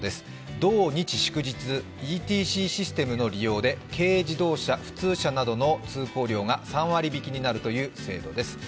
土日祝日、ＥＴＣシステムの利用で軽自動車、普通車などの通行料が３割引になるという制度です。